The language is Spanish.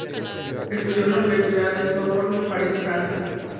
Estudió en la Universidad de Sorbonne París, Francia.